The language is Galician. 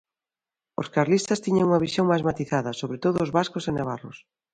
Os carlistas tiñan unha visión máis matizada, sobre todo os vascos e navarros.